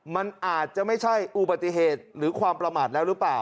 มันอาจจะไม่ใช่อุบัติเหตุหรือความประมาทแล้วหรือเปล่า